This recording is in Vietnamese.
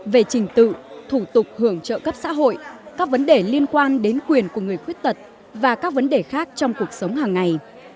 về trình tự thủ tục hưởng trợ cấp xã hội các vấn đề liên quan đến quyền của người khuyết tật và các vấn đề khác trong cuộc sống hàng ngày